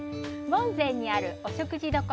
門前にあるお食事処。